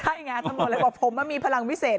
ใช่ไงเขาบอกว่าผมก็มีพลังวิเศษ